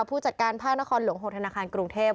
ผู้จัดการภาคนครหลวง๖ธนาคารกรุงเทพ